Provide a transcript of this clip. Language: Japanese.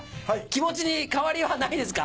気持ちに変わりはないですか？